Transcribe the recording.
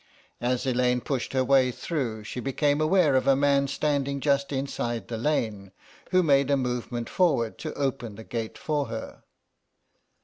As Elaine pushed her way through she became aware of a man standing just inside the lane, who made a movement forward to open the gate for her.